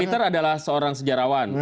peter adalah seorang sejarawan